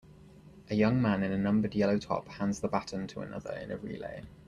A young man in a numbered yellow top hands the baton to another in a relay.